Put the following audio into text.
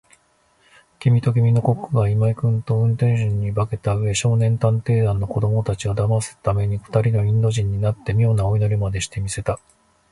きみときみのコックとが、今井君と運転手に化けたうえ、少年探偵団の子どもたちをだますために、ふたりのインド人になって、みょうなお祈りまでして見せた。